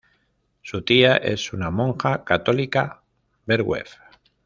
Su tía es una monja católica ver web.